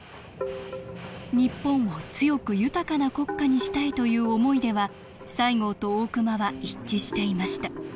日本を強く豊かな国家にしたいという思いでは西郷と大隈は一致していました。